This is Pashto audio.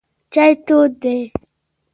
چای تود دی.